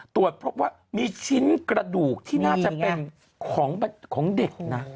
ตรวจพบว่ามีชิ้นกระดูกที่น่าจะเป็นของเด็กนะ